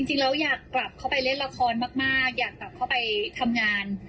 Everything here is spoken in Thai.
อยากกลับเข้าไปเล่นละครมากอยากกลับเข้าไปทำงาน